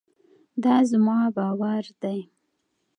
دا زما باور دی.